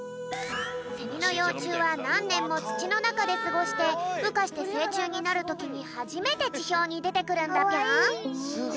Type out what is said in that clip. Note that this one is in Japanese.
セミのようちゅうはなんねんもつちのなかですごしてうかしてせいちゅうになるときにはじめてちひょうにでてくるんだぴょん。